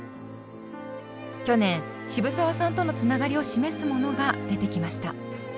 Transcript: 去年渋沢さんとのつながりを示すものが出てきました。